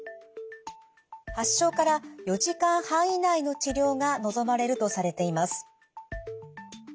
発症から４時間半以内の治療が望まれるとされています。